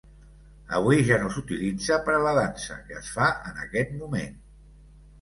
Avui ja no s'utilitza per a la dansa que es fa en aquest moment.